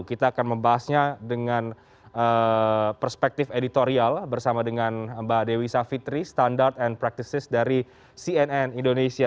kita akan membahasnya dengan perspektif editorial bersama dengan mbak dewi savitri standard and practices dari cnn indonesia